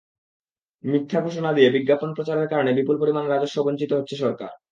মিথ্যা ঘোষণা দিয়ে বিজ্ঞাপন প্রচারের কারণে বিপুল পরিমাণ রাজস্ব বঞ্চিত হচ্ছে সরকার।